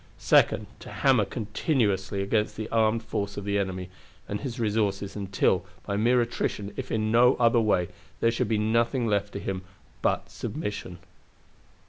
Second, to hammer continuously against the armed force of the enemy and his resources until, by mere attrition if in no other way, there should be nothing left to him but submission."